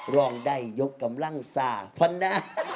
รองได้ยกกำลังสาธารณะ